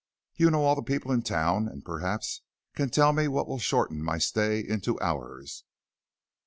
You know all the people in town, and perhaps can tell me what will shorten my stay into hours."